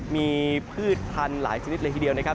มีพืชพันธุ์หลายชนิดเลยทีเดียวนะครับ